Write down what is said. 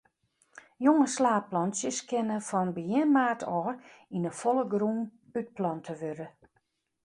Jonge slaadplantsjes kinne fan begjin maart ôf yn 'e folle grûn útplante wurde.